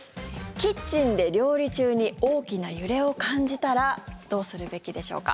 キッチンで料理中に大きな揺れを感じたらどうするべきでしょうか。